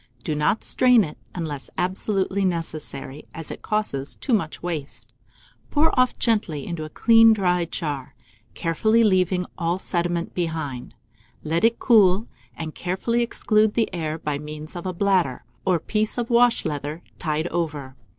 Do not strain it unless absolutely necessary, as it causes so much waste. Pour it gently off into a clean dry jar, carefully leaving all sediment behind. Let it cool, and carefully exclude the air by means of a bladder, or piece of wash leather, tied over.